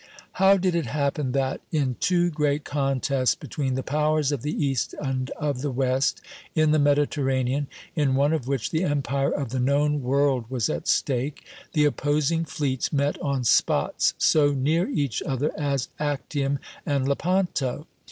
How did it happen that, in two great contests between the powers of the East and of the West in the Mediterranean, in one of which the empire of the known world was at stake, the opposing fleets met on spots so near each other as Actium and Lepanto?